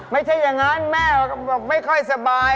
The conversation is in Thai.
ไม่ใช่อย่างนั้นแม่ก็แบบไม่ค่อยสบาย